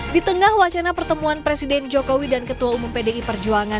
di tengah wacana pertemuan presiden jokowi dan ketua umum pdi perjuangan